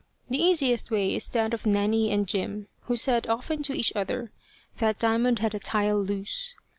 The easiest way is that of Nanny and Jim, who said often to each other that Diamond had a tile loose.